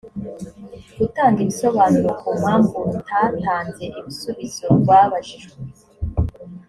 gutanga ibisobanuro ku mpamvu rutatanze ibisubizo rwabajijwe.